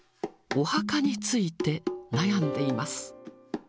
お墓について、悩んでいます。